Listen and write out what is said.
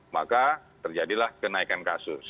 maka terjadilah kenaikan kasus